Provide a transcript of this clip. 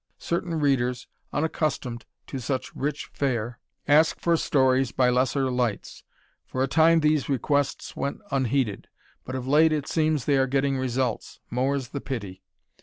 Certain readers, unaccustomed to such rich fare, ask for stories by lesser lights. For a time these requests went unheeded; but of late it seems they are getting results more's the pity.